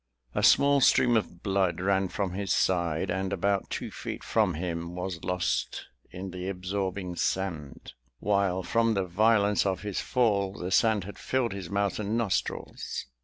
A small stream of blood ran from his side, and, about two feet from him, was lost in the absorbing sand; while from the violence of his fall the sand had filled his mouth and nostrils.